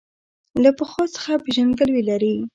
له پخوا څخه پېژندګلوي لري.